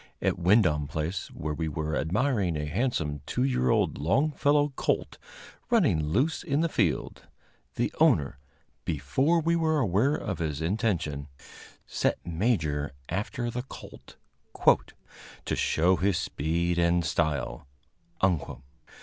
At Wyndom Place, where we were admiring a handsome two year old Longfellow colt, running loose in the field, the owner, before we were aware of his intention, set Major after the colt "to show his speed and style."